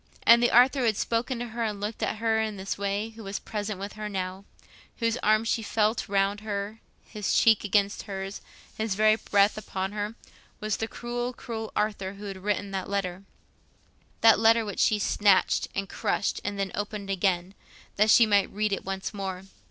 And the Arthur who had spoken to her and looked at her in this way, who was present with her now—whose arm she felt round her, his cheek against hers, his very breath upon her—was the cruel, cruel Arthur who had written that letter, that letter which she snatched and crushed and then opened again, that she might read it once more.